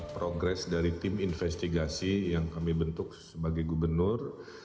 progres dari tim investigasi yang kami bentuk sebagai gubernur